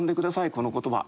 この言葉。